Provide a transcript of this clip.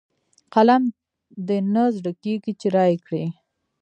قلم دې نه زړه کېږي چې رايې کړئ.